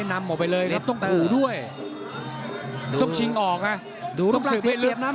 นำออกไปเลยแล้วต้องขู่ด้วยต้องชิงออกอ่ะดูลูกภาพเสียเปรียบนะ